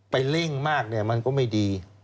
ไปเร่งมากมันก็ไม่ดี